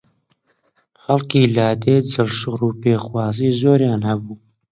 خەڵکی لادێ جلشڕ و پێخواسی زۆریان هەبوو